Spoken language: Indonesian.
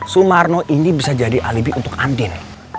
sumarno ini bisa jadi alibi untuk andin